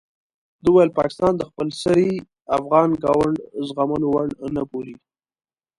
ده وویل پاکستان د خپل سرۍ افغان ګاونډ زغملو وړ نه بولي.